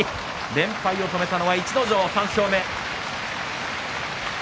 連敗を止めたのは逸ノ城、３勝目。